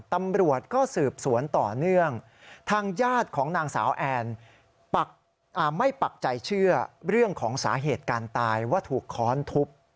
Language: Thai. ตำรวจก็สืบสวนต่อเนื่องทางญาติของนางสาวแอนไม่ปักใจเชื่อเรื่องของสาเหตุการตายว่าถูกค้อนทุบ